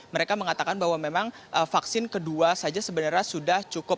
mereka mengatakan bahwa memang vaksin kedua saja sebenarnya sudah cukup